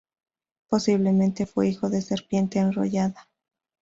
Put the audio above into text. Posiblemente fue hijo de Serpiente Enrollada.